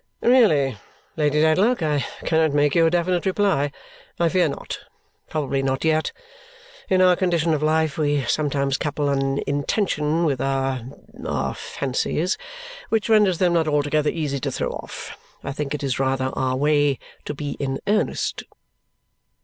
"Really, Lady Dedlock, I cannot make you a definite reply. I fear not. Probably not yet. In our condition of life, we sometimes couple an intention with our our fancies which renders them not altogether easy to throw off. I think it is rather our way to be in earnest."